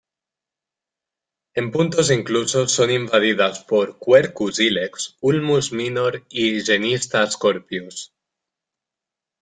En puntos incluso son invadidas por "Quercus ilex", "Ulmus minor" y "Genista scorpius".